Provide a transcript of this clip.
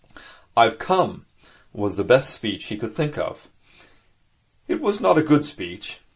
'I've come,' was the best speech he could think of. It was not a good speech.